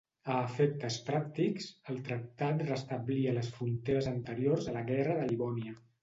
A efectes pràctics, el tractat restablia les fronteres anteriors a la Guerra de Livònia.